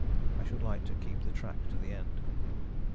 I should like to keep the track to the end."